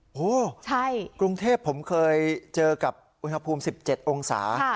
โอ้โหใช่กรุงเทพผมเคยเจอกับอุณหภูมิสิบเจ็ดองศาค่ะ